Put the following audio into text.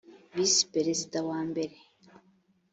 visi perezida wa mbere